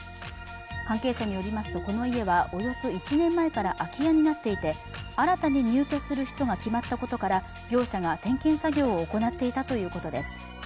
関係者によりますと、この家はおよそ１年前から空き家になっていて新たに入居する人が決まったことから業者が点検作業を行っていたということです。